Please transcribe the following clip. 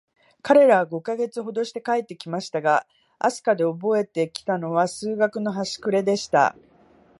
彼等は五ヵ月ほどして帰って来ましたが、飛島でおぼえて来たのは、数学のはしくれでした。